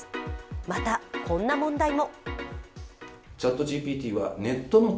また、こんな問題も。